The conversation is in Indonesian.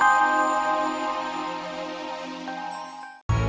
terima kasih abah